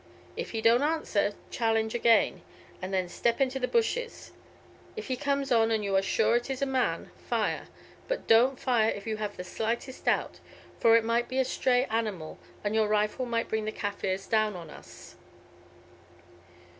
If he don't answer, challenge again, and then step into the bushes. If he comes on, and you are sure it is a man, fire; but don't fire if you have the slightest doubt, for it might be a stray animal, and your rifle might bring the Kaffirs down on us."